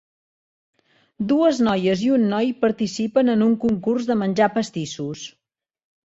Dues noies i un noi participen en un concurs de menjar pastissos.